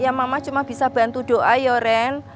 ya mama cuma bisa bantu doa yoren